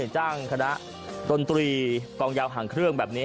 จ้างคณะดนตรีกองยาวห่างเครื่องแบบนี้